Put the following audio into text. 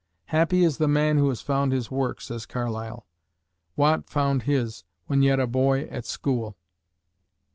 "Happy is the man who has found his work," says Carlyle. Watt found his when yet a boy at school.